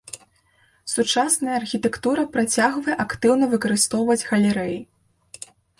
Сучасная архітэктура працягвае актыўна выкарыстоўваць галерэі.